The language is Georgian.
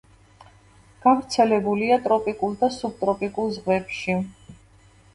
გავრცელებულია ტროპიკულ და სუბტროპიკულ ზღვებში.